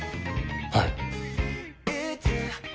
はい。